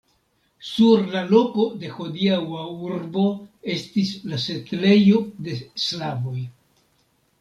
Sur la loko de hodiaŭa urbo estis la setlejo de slavoj.